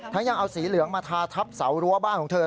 ยังเอาสีเหลืองมาทาทับเสารั้วบ้านของเธอ